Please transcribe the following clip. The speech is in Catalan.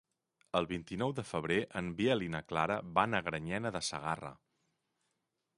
El vint-i-nou de febrer en Biel i na Clara van a Granyena de Segarra.